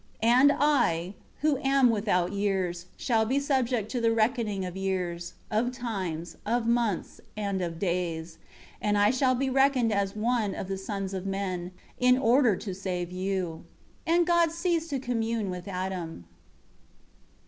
5 And I, who am without years, shall be subject to the reckoning of years, of times, of months, and of days, and I shall be reckoned as one of the sons of men, in order to save you." 6 And God ceased to commune with Adam.